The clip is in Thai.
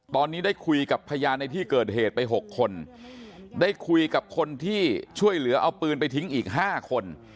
ตอนนี้ได้คุยกับพยานในที่เกิดเหตุไป๖คนได้คุยกับคนที่ช่วยเหลือเอาปืนไปทิ้งอีก๕คน